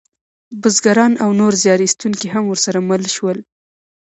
بزګران او نور زیار ایستونکي هم ورسره مل شول.